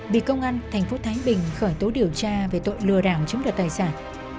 bị công an tp thái bình khởi tố điều tra về tội lừa đảo chứng được tài sản